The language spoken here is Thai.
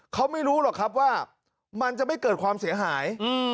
เขาไม่รู้หรอกครับว่ามันจะไม่เกิดความเสียหาย